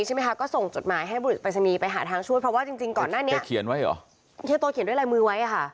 ไม่พี่ก็รู้ที่หลังเหมือนกันแบบประดามเหมือนกัน